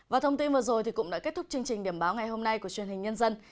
và thông tin vừa rồi cũng đã kết thúc chương trình điểm báo ngày hôm nay của truyền hình nhân dân